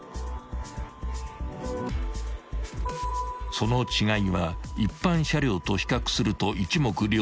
［その違いは一般車両と比較すると一目瞭然］